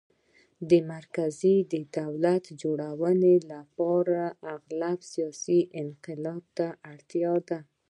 د مرکزي دولت جوړولو لپاره غالباً سیاسي انقلاب ته اړتیا ده